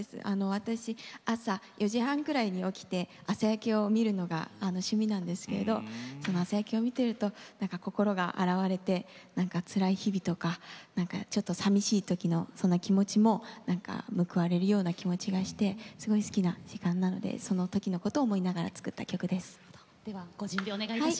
私朝４時半くらいに起きて朝焼けを見るのが趣味なんですけれど朝焼けを見ていると心が洗われてつらい日々とかちょっと寂しい時のその気持ちも報われるような気持ちがして大好きな気持ちなのでその時のこと思いながら作った曲です。